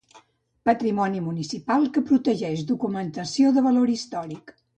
Patrimoni municipal que protegix documentació de valor històric.